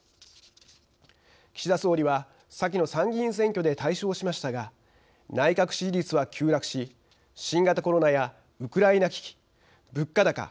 岸田総理は先の参議院選挙で大勝しましたが内閣支持率は急落し新型コロナやウクライナ危機物価高